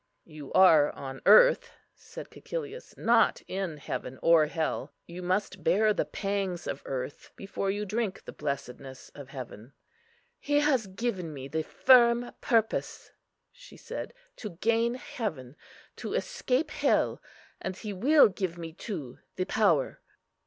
"You are on earth," said Cæcilius; "not in heaven or hell. You must bear the pangs of earth before you drink the blessedness of heaven." "He has given me the firm purpose," she said, "to gain heaven, to escape hell; and He will give me too the power."